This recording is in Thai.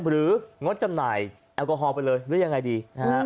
งดจำหน่ายแอลกอฮอล์ไปเลยหรือยังไงดีนะฮะ